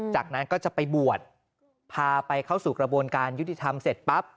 จากนั้นก็จะไปบวชพาไปเข้าสู่กระบวนการยุติธรรมเสร็จปั๊บ